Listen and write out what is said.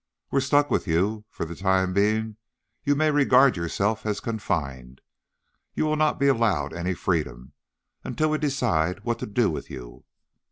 "We're stuck with you. For the time being you may regard yourself as confined. You will not be allowed any freedom ... until we decide what to do with you."